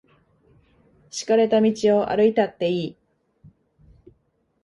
敷かれた道を歩いたっていい。